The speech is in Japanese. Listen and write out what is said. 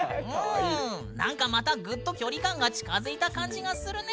何かまたグッと距離感が近づいた感じがするねえ。